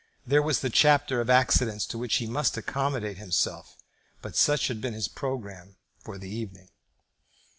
There was the chapter of accidents to which he must accommodate himself; but such had been his programme for the evening.